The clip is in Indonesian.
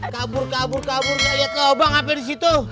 kabur kabur kabur gak liat lobang hampir disitu